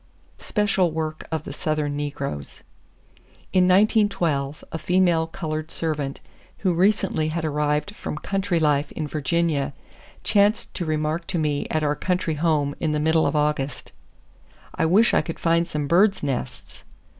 Special Work Of The Southern Negroes. —In 1912 a female colored servant who recently had arrived from country life in Virginia chanced to remark to me at our country home in the middle of August: "I wish I could find some birds' nests!"